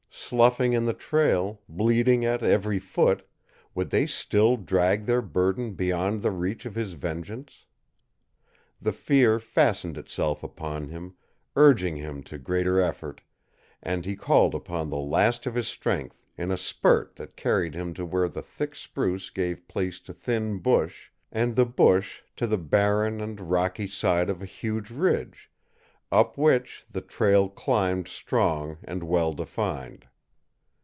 Sloughing in the trail, bleeding at every foot, would they still drag their burden beyond the reach of his vengeance? The fear fastened itself upon him, urging him to greater effort, and he called upon the last of his strength in a spurt that carried him to where the thick spruce gave place to thin bush, and the bush to the barren and rocky side of a huge ridge, up which the trail climbed strong and well defined.